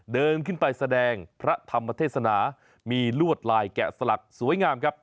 เดินขึ้นไปแสดงพระธรรมเทศนามีลวดลายแกะสลักสวยงามครับ